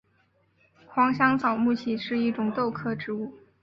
黄香草木樨是一种豆科植物。